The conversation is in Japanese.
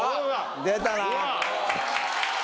出たな！